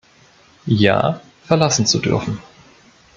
Jahr“ verlassen zu dürfen.